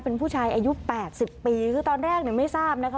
เป็นผู้ชายอายุ๘๐ปีคือตอนแรกเนี่ยไม่ทราบนะคะ